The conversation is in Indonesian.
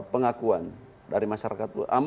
pengakuan dari masyarakat